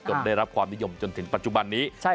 ได้รับความนิยมจนถึงปัจจุบันนี้